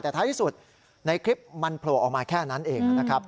แต่ท้ายที่สุดในคลิปมันโผล่ออกมาแค่นั้นเองนะครับ